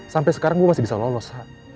sampai sekarang gue masih bisa lolos